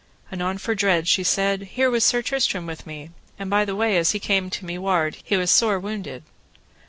Anon for dread she said: Here was Sir Tristram with me, and by the way as he came to me ward, he was sore wounded.